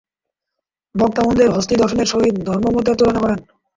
বক্তা অন্ধের হস্তী দর্শনের সহিত ধর্মমতের তুলনা করেন।